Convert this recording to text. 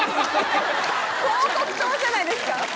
いいですよ。